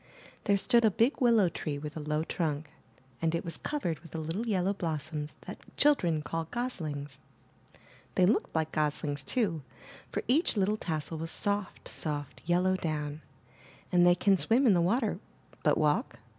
There stood a big willow tree with a low trunk, and it was covered IN THE NURSERY With the little yellow blossoms that children call goslings. They looked like goslings, too, for each little tassel was soft, soft yellow down, and they can swim in the water, but walk?